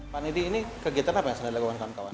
pak nedi ini kegiatan apa yang sedang dilakukan kawan kawan